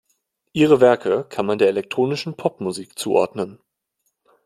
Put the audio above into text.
Ihre Werke kann man der Elektronischen Popmusik zuordnen.